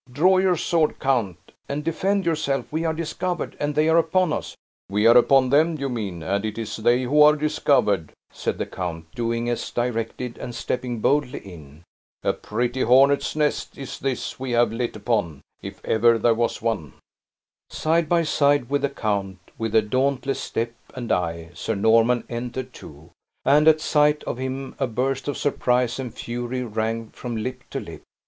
Draw your sword, count, and defend yourself; we are discovered, and they are upon us!" "We are upon them, you mean, and it is they who are discovered," said the count, doing as directed, and stepping boldly in. "A pretty hornet's nest is this we have lit upon, if ever there was one." Side by side with the count, with a dauntless step and eye, Sir Norman entered, too; and, at sight of him a burst of surprise and fury rang from lip to lip.